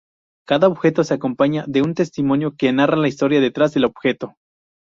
Cada objeto se acompaña de un testimonio que narra la historia detrás del objeto.